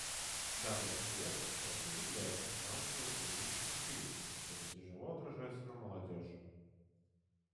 Данные обстоятельства усугубляются финансово-экономическим кризисом, который тяжело отражается на молодежи.